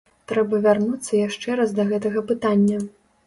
Трэба вярнуцца яшчэ раз да гэтага пытання.